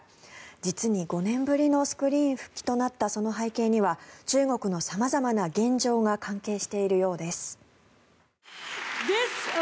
実に５年ぶりのスクリーン復帰となったその背景には中国の様々な現状が関係しているようです。